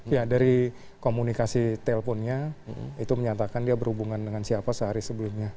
ya dari komunikasi teleponnya itu menyatakan dia berhubungan dengan siapa sehari sebelumnya